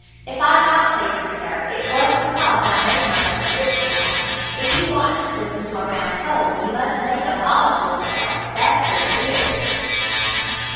If I got places, sir, it was because I made myself fit for 'em. If you want to slip into a round hole, you must make a ball of yourself; that's where it is."